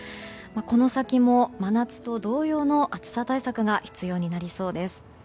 この先も真夏と同様の暑さ対策が必要になりそうです。